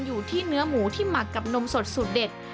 อยู่ที่เนื้อหมูที่หมักกับนมสดสูตรเด็ด